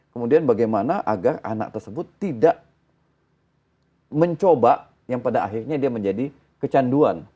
kemudian bagaimana agar anak tersebut tidak mencoba yang pada akhirnya dia menjadi kecanduan